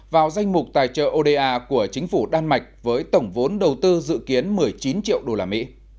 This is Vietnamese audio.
vào danh mục tài trợ oda của chính phủ đan mạch với tổng vốn đầu tư dự kiến một mươi chín triệu usd